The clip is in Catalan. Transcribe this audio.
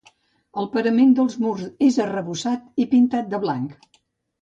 El parament dels murs és arrebossat i pintat de blanc.